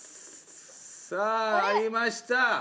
さあありました。